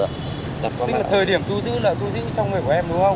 tức là thời điểm thu giữ là thu giữ trong người của em đúng không